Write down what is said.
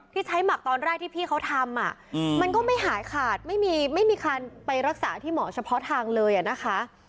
ที่ใช้หมักตอนแรกที่พี่เขาทำมันก็ไม่หายขาดไม่มีไม่มีคันไปรักษาที่หมอเฉพาะทางเลยนะคะ